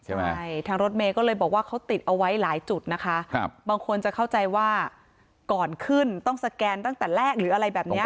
ใช่ทางรถเมย์ก็เลยบอกว่าเขาติดเอาไว้หลายจุดนะคะครับบางคนจะเข้าใจว่าก่อนขึ้นต้องสแกนตั้งแต่แรกหรืออะไรแบบเนี้ย